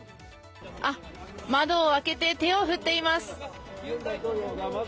あっ、窓を開けて手を振っています。